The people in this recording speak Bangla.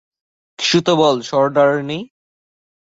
কিছু তো বল, সর্দারনী?